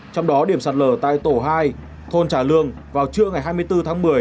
trong đó điểm sạt lở tại tổ hai thôn trả lương vào trưa ngày hai mươi bốn tháng một mươi